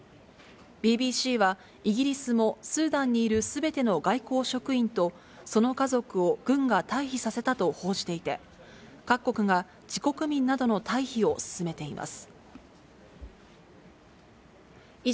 ＢＢＣは、イギリスも、スーダンにいるすべての外交職員とその家族を軍が退避させたと報じていて、各国が自国民などの退避を進めています。